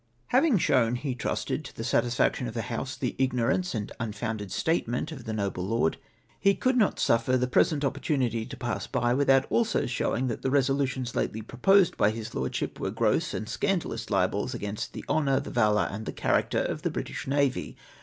Having shown, he trusted, to the satisfaction of the House, the ignorance and unfounded statement of the noble lord, he could not suffer the present opportunity to pass by without also showing that the resolutions lately proposed by his Lordship were gross and scandalous libels against the honour, the valour, and the character of the British navy.